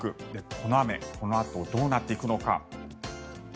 この雨このあとどうなっていくのか。